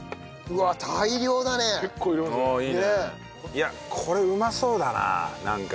いやこれうまそうだななんか。